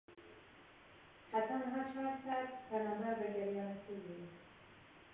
Heta niha çar sed penaber vegeriyane Sûriyeyê.